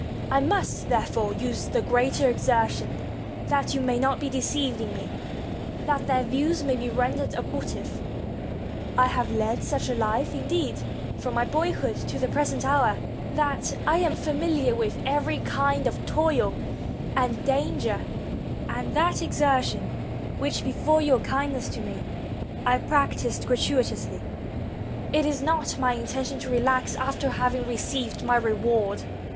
I must, there fore, use the greater exertion, that you may not be deceived in me, and that their views may be rendered abortive. I have led such a life, indeed, from my boy hood to the present hour, that I am famiHar with every kind of toil and danger; and that exertion, which, before your kindness to me, I practiced gratuitously, it is not my intention to relax after having received my reward.